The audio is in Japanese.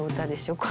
これ。